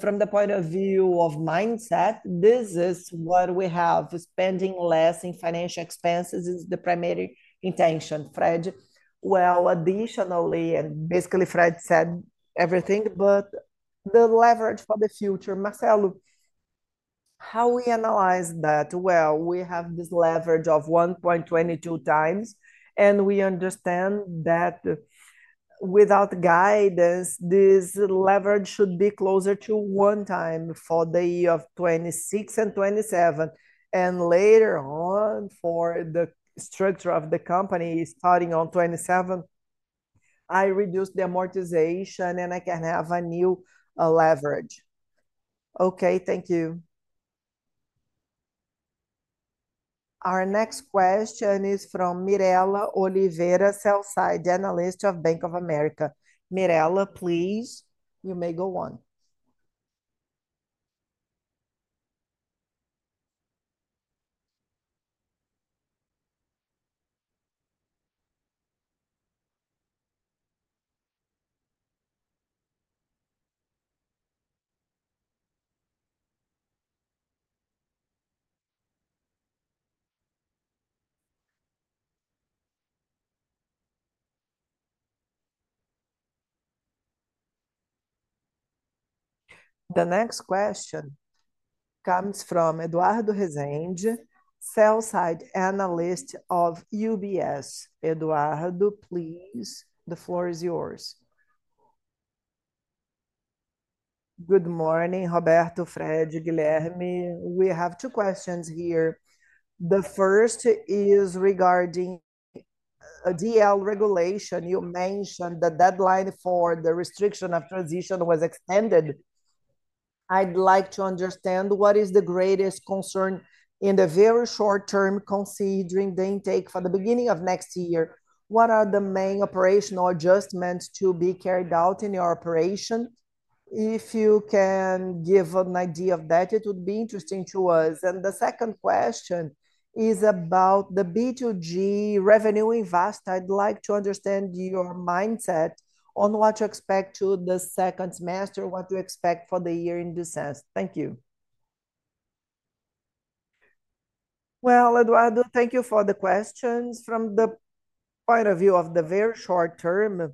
From the point of view of mindset, this is what we have. Spending less in financial expenses is the primary intention, Fred. Additionally, and basically, Fred said everything, but the leverage for the future, Marcelo, how we analyze that? We have this leverage of 1.22x, and we understand that without guidance, this leverage should be closer to one time for the year of 2026 and 2027. Later on, for the structure of the company starting in 2027, I reduced the amortization and I can have a new leverage. Thank you. Our next question is from Mirela Oliveira, Sell-side Analyst of Bank of America. Mirela, please, you may go on. The next question comes from Eduardo Resende, Sell-side Analyst of UBS. Eduardo, please, the floor is yours. Good morning, Roberto, Fred, Jamil. We have two questions here. The first is regarding a DL regulation. You mentioned the deadline for the restriction of transition was extended. I'd like to understand what is the greatest concern in the very short term considering the intake for the beginning of next year? What are the main operational adjustments to be carried out in your operation? If you can give an idea of that, it would be interesting to us. The second question is about the B2G revenue in Vasta. I'd like to understand your mindset on what to expect for the second semester, what to expect for the year in this sense. Thank you. Thank you for the questions, Eduardo. From the point of view of the very short term,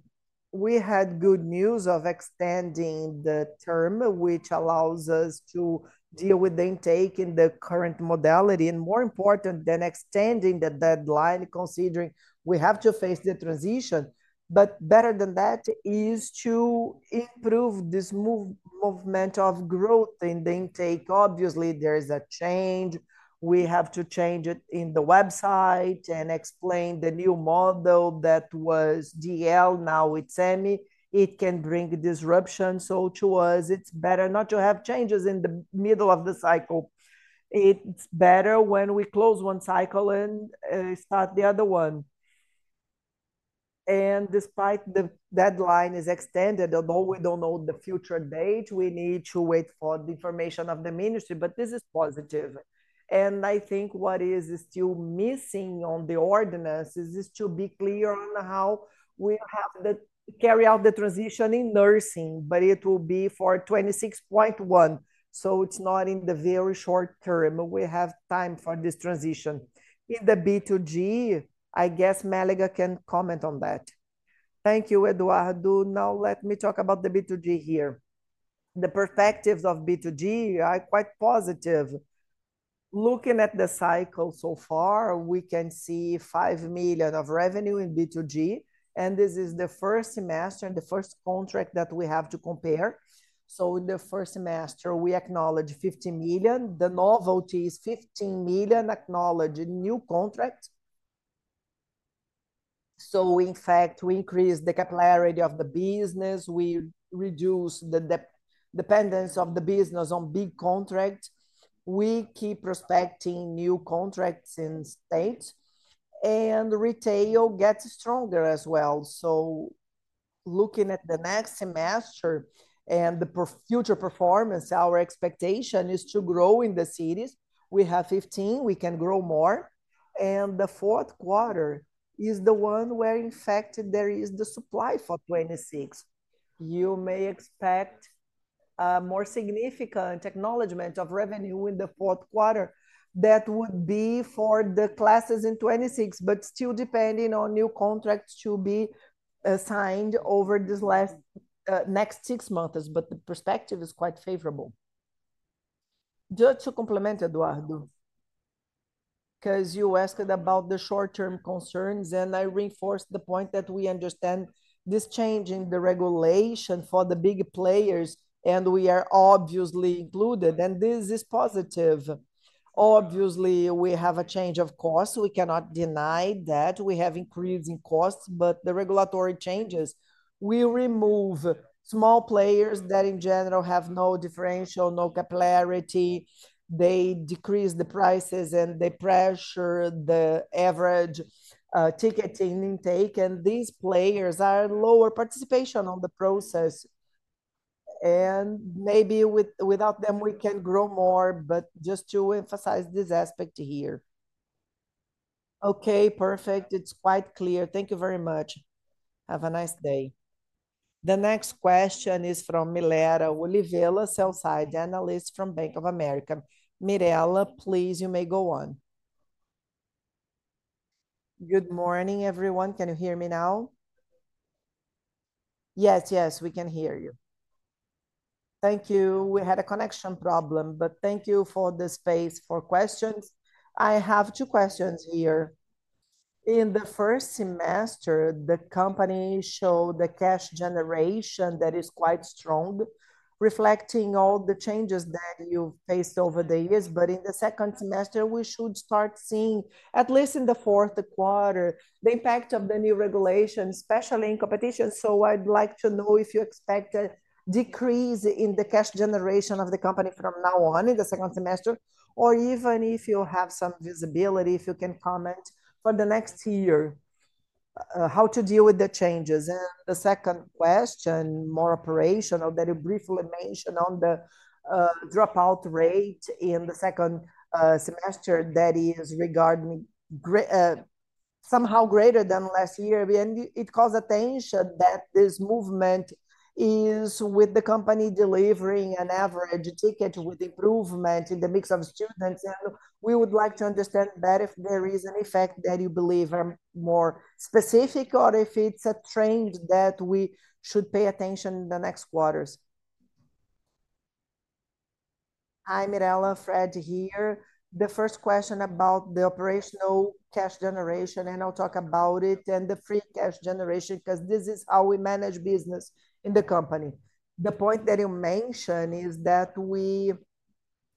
we had good news of extending the term, which allows us to deal with the intake in the current modality. More important than extending the deadline, considering we have to face the transition, is to improve this movement of growth in the intake. Obviously, there is a change. We have to change it in the website and explain the new model that was DL, now it's semi. It can bring disruption. To us, it's better not to have changes in the middle of the cycle. It's better when we close one cycle and start the other one. Despite the deadline being extended, although we don't know the future date, we need to wait for the information of the ministry. This is positive. I think what is still missing on the ordinance is to be clear on how we have to carry out the transition in nursing, but it will be for 2026.1. It's not in the very short term. We have time for this transition. In the B2G, I guess Mélaga can comment on that. Thank you, Eduardo. Now let me talk about the B2G here. The perspectives of B2G are quite positive. Looking at the cycle so far, we can see 5 million of revenue in B2G, and this is the first semester and the first contract that we have to compare. In the first semester, we acknowledge 50 million. The novelty is 15 million acknowledged in new contracts. In fact, we increase the capillarity of the business. We reduce the dependence of the business on big contracts. We keep prospecting new contracts in states, and retail gets stronger as well. Looking at the next semester and the future performance, our expectation is to grow in the cities. We have 15 million. We can grow more. The fourth quarter is the one where, in fact, there is the supply for 2026. You may expect a more significant acknowledgement of revenue in the fourth quarter. That would be for the classes in 2026, but still depending on new contracts to be signed over these last next six months. The perspective is quite favorable. Just to complement Eduardo, because you asked about the short-term concerns, I reinforced the point that we understand this change in the regulation for the big players, and we are obviously included. This is positive. Obviously, we have a change of cost. We cannot deny that. We have increasing costs, but the regulatory changes will remove small players that in general have no differential, no capillarity. They decrease the prices, and they pressure the average ticket in intake. These players are lower participation on the process. Maybe without them, we can grow more, just to emphasize this aspect here. Okay, perfect. It's quite clear. Thank you very much. Have a nice day. The next question is from Mirela Oliveira, Sell-side Analyst from Bank of America. Mirela, please, you may go on. Good morning, everyone. Can you hear me now? Yes, yes, we can hear you. Thank you. We had a connection problem, but thank you for the space for questions. I have two questions here. In the first semester, the company showed the cash generation that is quite strong, reflecting all the changes that you faced over the years. In the second semester, we should start seeing, at least in the fourth quarter, the impact of the new regulation, especially in competition. I'd like to know if you expect a decrease in the cash generation of the company from now on in the second semester, or even if you have some visibility, if you can comment for the next year, how to deal with the changes. The second question, more operational, you briefly mentioned on the dropout rate in the second semester that is somehow greater than last year. It calls attention that this movement is with the company delivering an average ticket with improvement in the mix of students. We would like to understand if there is an effect that you believe is more specific or if it's a trend that we should pay attention to in the next quarters. Hi, Mirela, Fred here. The first question about the operational cash generation, I'll talk about it and the free cash generation because this is how we manage business in the company. The point that you mentioned is that we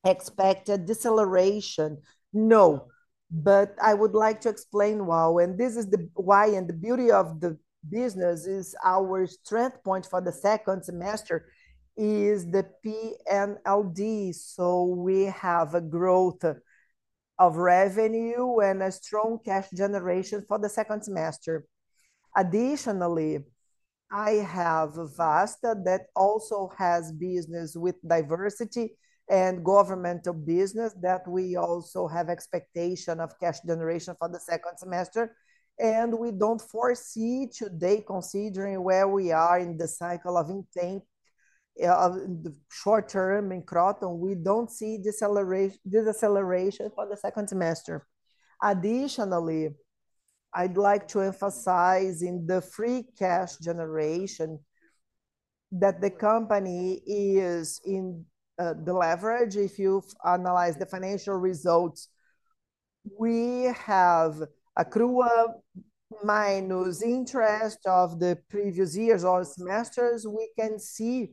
expect a deceleration. No, but I would like to explain why. This is the why and the beauty of the business. Our strength point for the second semester is the P&LD. We have a growth of revenue and a strong cash generation for the second semester. Additionally, I have Vasta that also has business with diversity and governmental business. We also have expectation of cash generation for the second semester. We don't foresee today, considering where we are in the cycle of intake in the short term in Kroton, any deceleration for the second semester. Additionally, I'd like to emphasize in the free cash generation that the company is in the leverage. If you analyze the financial results, we have accrual minus interest of the previous years or semesters. We can see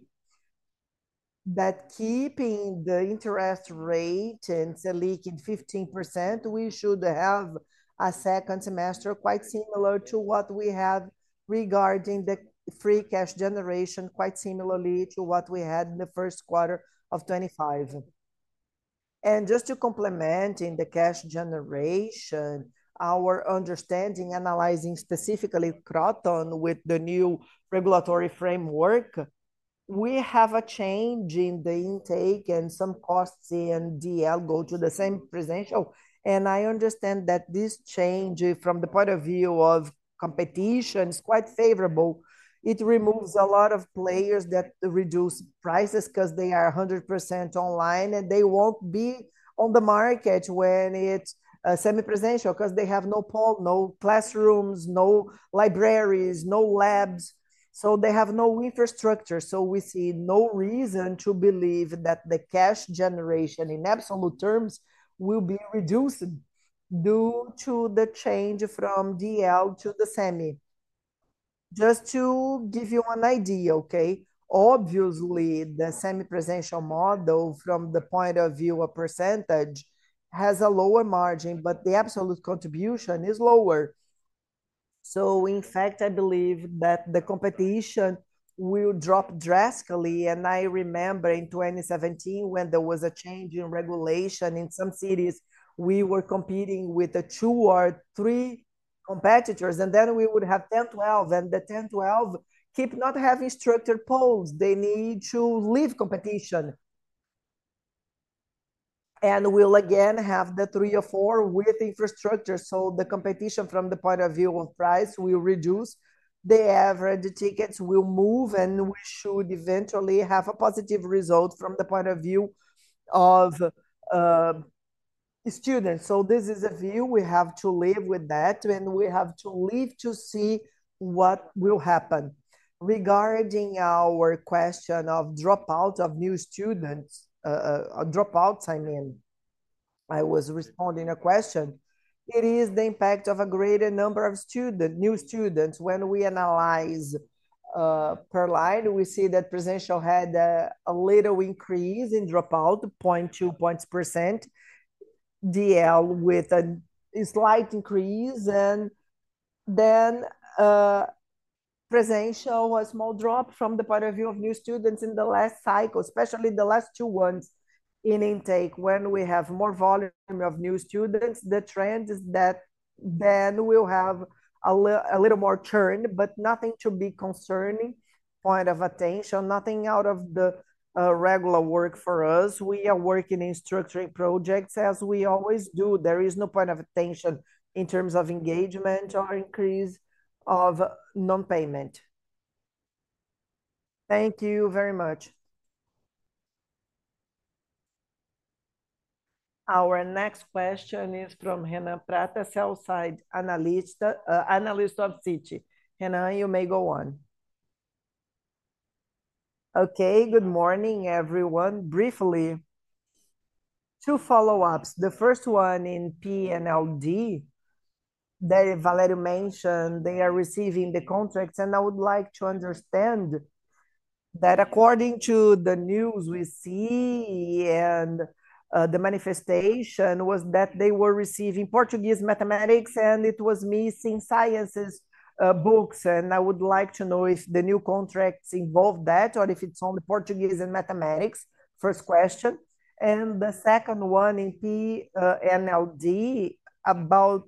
that keeping the interest rate and salient 15%, we should have a second semester quite similar to what we have regarding the free cash generation, quite similarly to what we had in the first quarter of 2025. Just to complement in the cash generation, our understanding, analyzing specifically Kroton with the new regulatory framework, we have a change in the intake and some costs in DL go to the same presencial. I understand that this change from the point of view of competition is quite favorable. It removes a lot of players that reduce prices because they are 100% online and they won't be on the market when it's semi-presential because they have no poll, no classrooms, no libraries, no labs. They have no infrastructure. We see no reason to believe that the cash generation in absolute terms will be reduced due to the change from DL to the semi. Just to give you an idea, obviously, the semi-presential model from the point of view of percentage has a lower margin, but the absolute contribution is lower. In fact, I believe that the competition will drop drastically. I remember in 2017 when there was a change in regulation in some cities, we were competing with two or three competitors, and then we would have 10, 12, and the 10, 12 keep not having structured polls. They need to leave competition. We'll again have the three or four with infrastructure. The competition from the point of view of price will reduce. The average tickets will move and should eventually have a positive result from the point of view of students. This is a view we have to live with, and we have to live to see what will happen. Regarding our question of dropout of new students, dropouts, I mean, I was responding to a question. It is the impact of a greater number of students, new students. When we analyze P&LD, we see that presencial had a little increase in dropout, 0.2%, DL with a slight increase, and then presencial was more dropped from the point of view of new students in the last cycle, especially the last two ones in intake. When we have more volume of new students, the trend is that then we'll have a little more turn, but nothing to be concerning, point of attention, nothing out of the regular work for us. We are working in structured projects as we always do. There is no point of attention in terms of engagement or increase of non-payment. Thank you very much. Our next question is from [Hennah Prates], Sell-side Analyst of Citi. [Hennah], you may go on. Okay. Good morning, everyone. Briefly, two follow-ups. The first one in P&LD that Valério mentioned, they are receiving the contracts, and I would like to understand that according to the news we see and the manifestation was that they were receiving Portuguese, mathematics, and it was missing sciences books. I would like to know if the new contracts involve that or if it's only Portuguese and mathematics, first question. The second one in P&LD about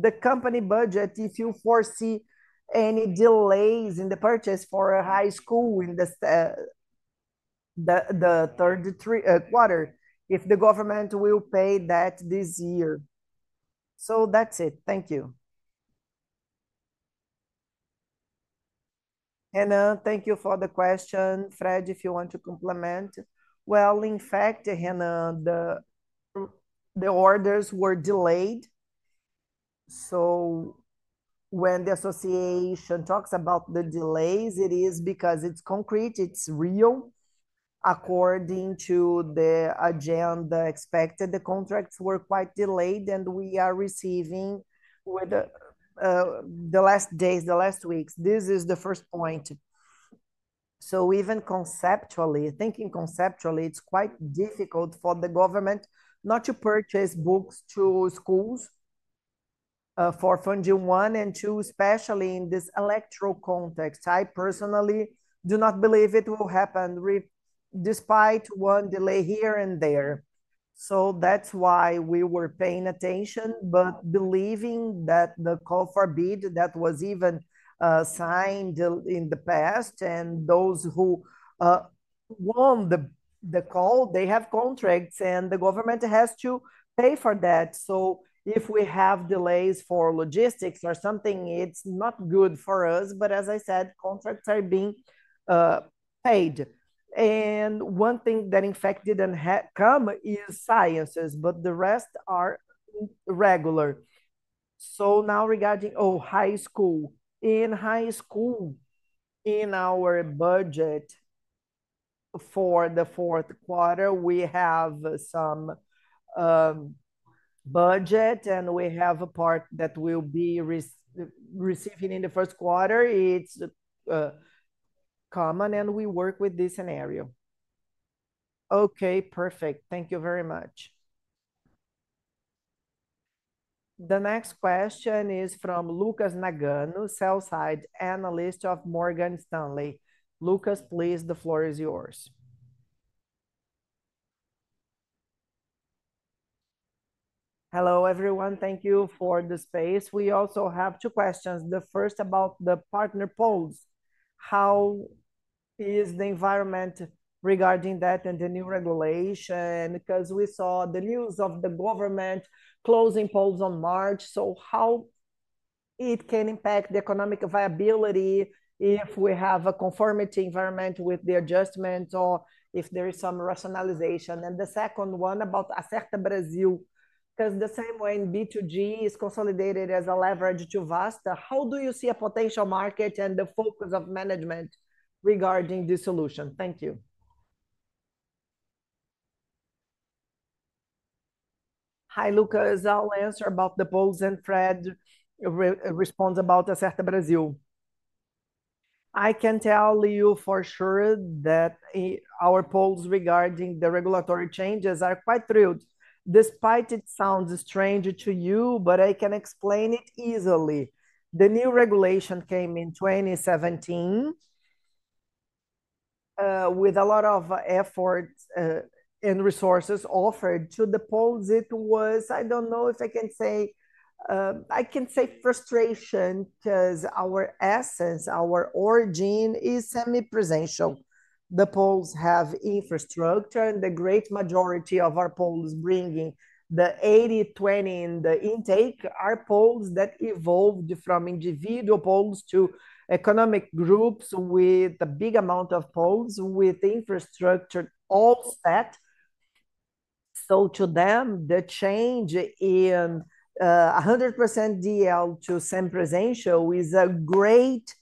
the company budget, if you foresee any delays in the purchase for a high school in the third quarter, if the government will pay that this year. That's it. Thank you. Hennah, thank you for the question. Fred, if you want to complement. In fact, [Hennah], the orders were delayed. When the association talks about the delays, it is because it's concrete, it's real. According to the agenda expected, the contracts were quite delayed, and we are receiving the last days, the last weeks. This is the first point. Even conceptually, thinking conceptually, it's quite difficult for the government not to purchase books to schools for funding one and two, especially in this electoral context. I personally do not. Event will happen, despite one delay here and there. That's why we were paying attention, but believing that the call for bid that was even signed in the past. Those who won the call, they have contracts, and the government has to pay for that. If we have delays for logistics or something, it's not good for us. As I said, contracts are being paid. One thing that, in fact, didn't come is sciences, but the rest are regular. Now regarding high school. In high school, in our budget for the fourth quarter, we have some budget, and we have a part that we'll be receiving in the first quarter. It's common, and we work with this scenario. Okay. Perfect. Thank you very much. The next question is from Lucas Nagano, Sell-side Analyst of Morgan Stanley. Lucas, please, the floor is yours. Hello, everyone. Thank you for the space. We also have two questions. The first about the partner polls. How is the environment regarding that and the new regulation? We saw the news of the government closing polls in March, so how can it impact the economic viability if we have a conformity environment with the adjustments or if there is some rationalization? The second one about Acerta Brasil, because the same way in B2G is consolidated as a leverage to Vasta. How do you see a potential market and the focus of management regarding this solution? Thank you. Hi, Lucas. I'll answer about the polls and Fred responds about Acerta Brasil. I can tell you for sure that our polls regarding the regulatory changes are quite thrilled. Despite it sounds strange to you, I can explain it easily. The new regulation came in 2017 with a lot of effort and resources offered to the polls. I don't know if I can say, I can say frustration because our essence, our origin, is semi-presential. The polls have infrastructure, and the great majority of our polls bringing the 80/20 in the intake, are polls that evolved from individual polls to economic groups with a big amount of polls with infrastructure offset. To them, the change in 100% distance learning to semi-presential is a great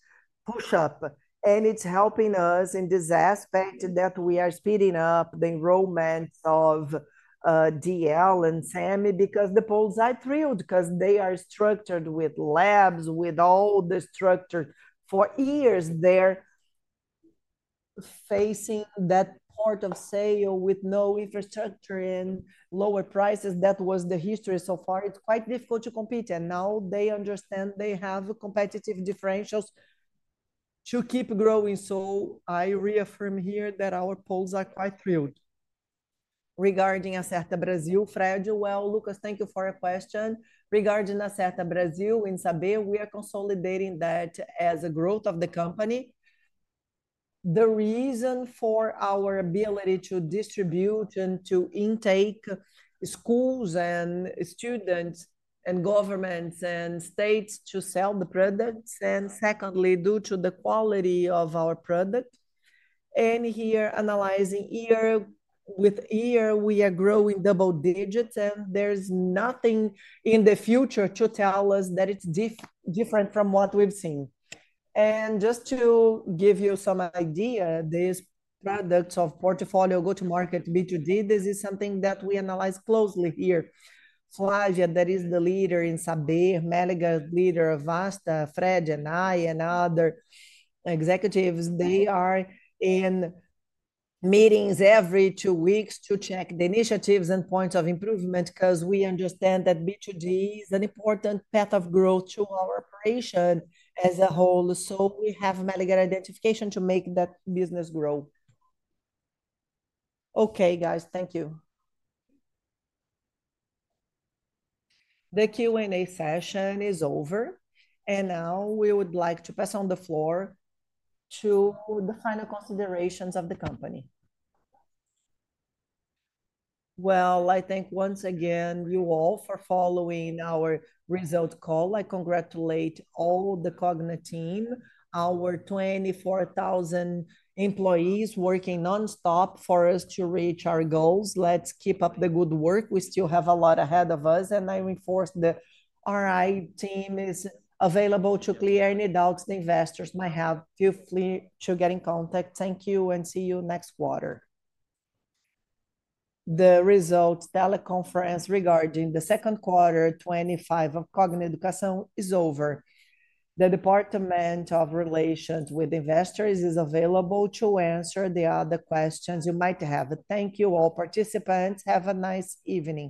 push-up. It's helping us in this aspect that we are speeding up the enrollment of distance learning and semi-presential because the polls are thrilled because they are structured with labs, with all the structure. For years, they're facing that port of sale with no infrastructure and lower prices. That was the history so far. It's quite difficult to compete. They understand they have competitive differentials to keep growing. I reaffirm here that our polls are quite thrilled. Regarding Acerta Brasil, Fred, Lucas, thank you for a question. Regarding Acerta Brasil, in Saber, we are consolidating that as a growth of the company. The reason for our ability to distribute and to intake schools and students and governments and states to sell the products, and secondly, due to the quality of our product. Here, analyzing year with year, we are growing double digits, and there's nothing in the future to tell us that it's different from what we've seen. Just to give you some idea, this product of portfolio, go-to-market B2G, this is something that we analyze closely here. Flavia, that is the leader in Saber, Mélaga, leader of Vasta, Fred, and I, and other executives, they are in meetings every two weeks to check the initiatives and points of improvement because we understand that B2G is an important path of growth to our operation as a whole. We have Mélaga identification to make that business grow. Thank you. The Q&A session is over. We would like to pass on the floor to the final considerations of the company. I thank once again you all for following our result call. I congratulate all the Cogna team, our 24,000 employees working nonstop for us to reach our goals. Let's keep up the good work. We still have a lot ahead of us. I reinforce the RI team is available to clear any doubts the investors might have. Feel free to get in contact. Thank you and see you next quarter. The result teleconference regarding the second quarter 2025 of Cogna is over. The Department of Relations with Investors is available to answer the other questions you might have. Thank you all participants. Have a nice evening.